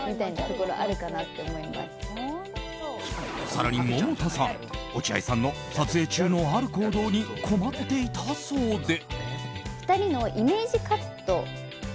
更に、百田さん落合さんの撮影中のある行動に困っていたそうで。